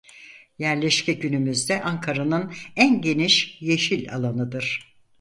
Yerleşke günümüzde Ankara'nın en geniş yeşil alanıdır.